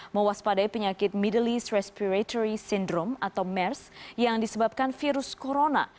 mewaspadai penyakit middley respiratory syndrome atau mers yang disebabkan virus corona